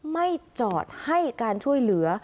ไม่จอดให้การช่วยเหลือ